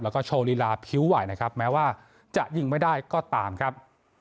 แล้วก็โชว์ลีลาพิ้วไหวนะครับแม้ว่าจะยิงไม่ได้ก็ตามครับ